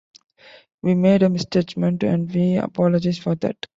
We made a misjudgment and we apologise for that.